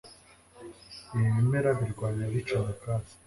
Ibi bimera birwanya abica nyakatsi